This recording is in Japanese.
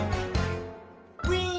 「ウィン！」